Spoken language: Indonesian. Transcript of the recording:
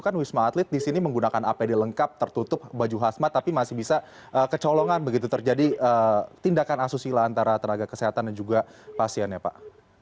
kan wisma atlet di sini menggunakan apd lengkap tertutup baju khasmat tapi masih bisa kecolongan begitu terjadi tindakan asusila antara tenaga kesehatan dan juga pasiennya pak